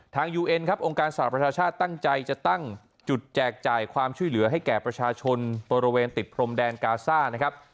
ยูเอ็นครับองค์การสหประชาชาติตั้งใจจะตั้งจุดแจกจ่ายความช่วยเหลือให้แก่ประชาชนบริเวณติดพรมแดนกาซ่านะครับ